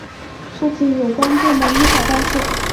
促进有关部门依法办事